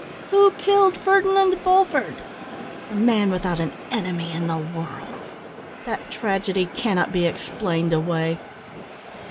"Who killed Ferdinand Bulford? A man without an enemy in the world. That tragedy cannot be explained away.